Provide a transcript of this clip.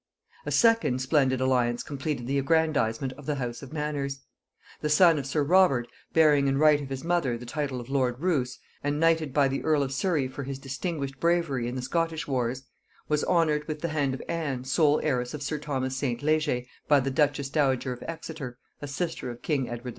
A second splendid alliance completed the aggrandizement of the house of Manners. The son of sir Robert, bearing in right of his mother the title of lord Roos, and knighted by the earl of Surry for his distinguished bravery in the Scottish wars, was honored with the hand of Anne sole heiress of sir Thomas St. Leger by the duchess dowager of Exeter, a sister of king Edward IV.